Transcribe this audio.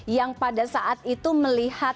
yang pada saat itu menangkap adit